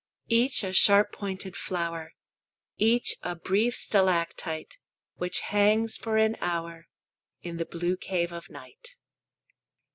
Each a sharp pointed flower, Each a brief stalactite Which hangs for an hour In the blue cave of night.